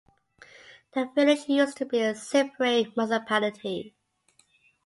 The village used to be a separate municipality.